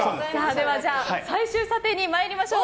では、最終査定に参りましょう。